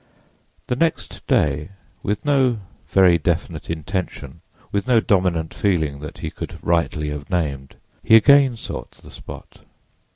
The next day, with no very definite intention, with no dominant feeling that he could rightly have named, he again sought the spot.